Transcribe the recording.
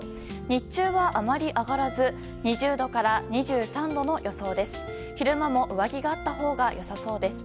日中はあまり上がらず２０度から２３度の予想です。